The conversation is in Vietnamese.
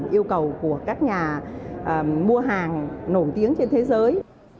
đó là một yêu cầu của các nhà mua hàng nổi tiếng trên thế giới